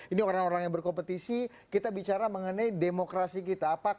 ini orang orang yang berkompetisi kita bicara mengenai democratisasi terkenal tersebut